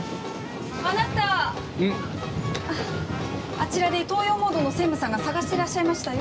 あちらで東洋モードの専務さんが探してらっしゃいましたよ。